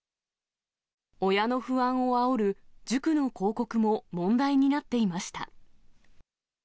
親の不安をあおる塾の広告も問題になっていました。